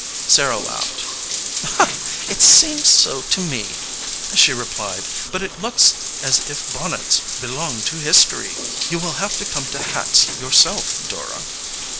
Sarah laughed. "It seemed so to me," she re plied, "but it looks as if bonnets belonged to history. You will have to come to hats yourself, Dora."